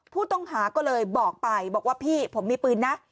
ผู้ต้องหาก็เลยบอกไปบอกว่าพี่ผมมีปืนนะ